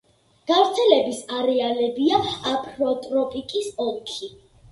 გავრცელების არეალებია აფროტროპიკის ოლქი.